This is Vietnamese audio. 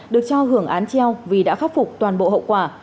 được cho hưởng án treo vì đã khắc phục toàn bộ hậu quả